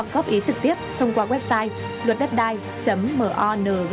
góp ý trực tiếp thông qua website luatdatdai monge gov vn